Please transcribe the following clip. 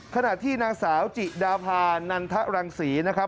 ขณะที่นางสาวจิดาพานันทรังศรีนะครับ